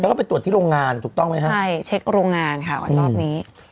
แล้วก็ไปตรวจที่โรงงานถูกต้องไหมฮะใช่เช็คโรงงานค่ะวันรอบนี้